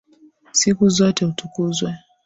Siku zote utukuzwe.